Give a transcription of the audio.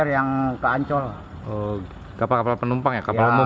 saya sedang membawa kapal reguler yang terburu buru